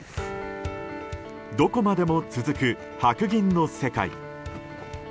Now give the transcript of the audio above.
どこまでも続く白銀の世界。